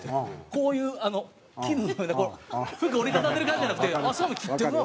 こういうあの衣のような服折り畳んでる感じじゃなくてそうめん切ってるな。